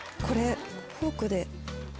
これフォークで。